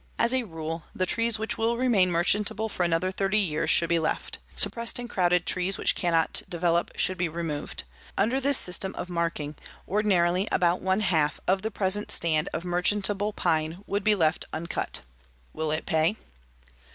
As a rule the trees which will remain merchantable for another thirty years should be left. Suppressed and crowded trees which cannot develop should be removed. Under this system of marking, ordinarily about one half of the present stand of merchantable pine would be left uncut. Will it pay?